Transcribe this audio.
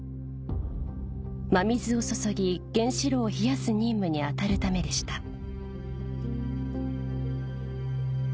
真水を注ぎ原子炉を冷やす任務に当たるためでした